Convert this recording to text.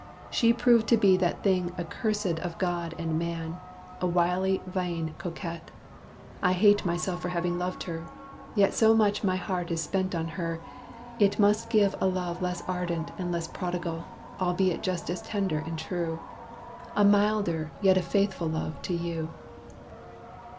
she proved to be that thing accursed Of God and man a wily vain coquette. I hate myself for having loved her. Yet So much my heart spent on her, it must give A love less ardent, and less prodigal, Albeit just as tender and as true A milder, yet a faithful love to you.